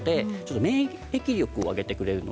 免疫力を上げてくれます。